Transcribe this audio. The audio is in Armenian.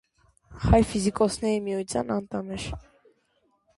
Հայ ֆիզիկոսների միության անդամ էր։